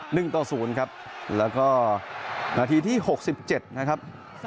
หนึ่งต่อศูนย์ครับแล้วก็นาทีที่หกสิบเจ็ดนะครับ